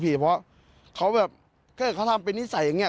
เพราะเขาแบบเกิดเขาทำเป็นนิสัยอย่างนี้